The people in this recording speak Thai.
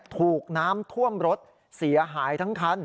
ถูกน้ำท่วมรถเสียหายทั้งคัน